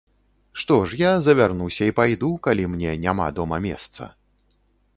Што ж, я завярнуся і пайду, калі мне няма дома месца.